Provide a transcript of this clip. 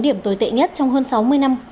điểm tồi tệ nhất trong hơn sáu mươi năm